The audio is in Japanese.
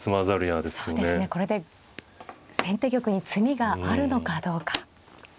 これで先手玉に詰みがあるのかどうか。